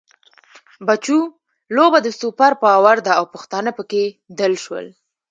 بچو! لوبه د سوپر پاور ده او پښتانه پکې دل شول.